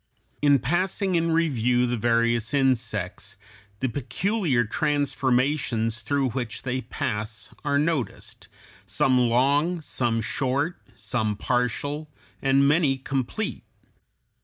] In passing in review the various insects the peculiar transformations through which they pass are noticed; some long, some short, some partial, and many complete.